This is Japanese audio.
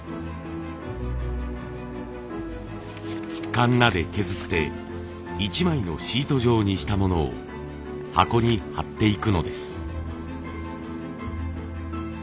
カンナで削って１枚のシート状にしたものを箱に貼っていくのです。